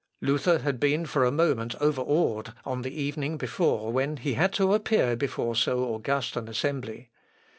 ] Luther had been for a moment overawed on the evening before when he had to appear before so august an assembly.